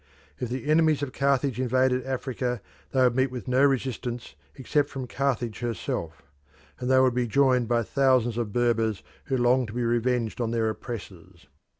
If the enemies of Carthage invaded Africa they would meet with no resistance except from Carthage herself, and they would be joined by thousands of Berbers who longed to be revenged on their oppressors.